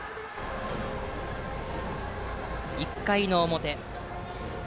１回の表。